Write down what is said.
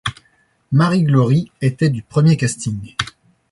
Marie Glory était du premier casting.